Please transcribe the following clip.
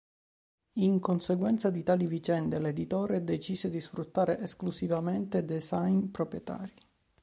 In conseguenza di tali vicende, l'editore decise di sfruttare, esclusivamente design proprietari.